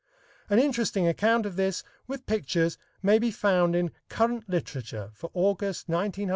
An interesting account of this, with pictures, may be found in "Current Literature" for August, 1909, pp.